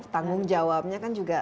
tanggung jawabnya kan juga